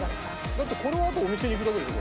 だってこのあとお店に行くだけでしょ？